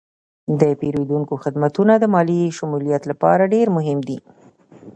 د پیرودونکو خدمتونه د مالي شمولیت لپاره ډیر مهم دي.